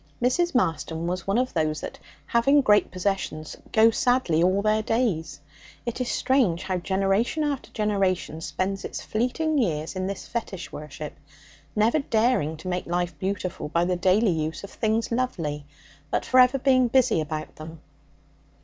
Mrs. Marston was one of those that, having great possessions, go sadly all their days. It is strange how generation after generation spends its fleeting years in this fetish worship, never daring to make life beautiful by the daily use of things lovely, but for ever being busy about them.